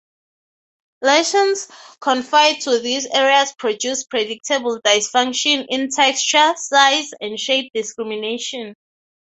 Lesions confined to these areas produce predictable dysfunction in texture, size, and shape discrimination.